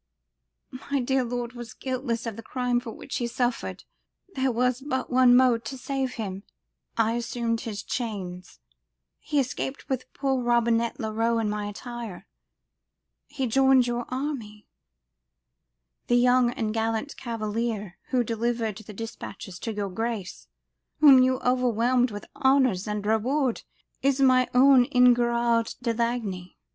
My dear lord was guiltless of the crime for which he suffered. There was but one mode to save him: I assumed his chains he escaped with poor Robinet Leroux in my attire he joined your army: the young and gallant cavalier who delivered the despatches to your grace, whom you overwhelmed with honours and reward, is my own Enguerrard de Lagny.